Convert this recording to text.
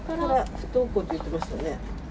不登校って言ってましたね。